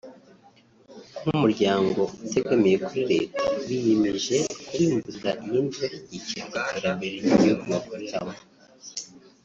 nk’umuryango utegamiye kuri Leta biyemeje kubimburira iyindi bashyigikira iterambere ry’Igihugu bakoreramo